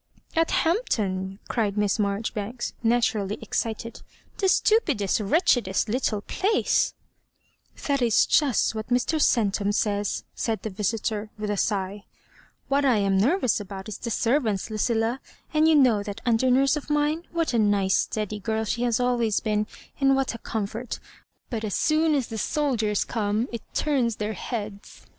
*' At Hampton !" cried Miss Marjoribanks, na turally excited —" the stupidest wretchedest little place —" That is just what Mr. Centum says," said the visitor, with a sigh; '*what I am nervous about is the servants, Lucilla; and you know that under nurse of mine, what a nice steady girl she has always been, and what a comfort — but as soon as the soldiers oome it turns their heads.